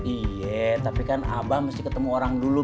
iya tapi kan abah mesti ketemu orang dulu